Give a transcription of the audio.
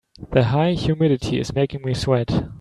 The high humidity is making me sweat.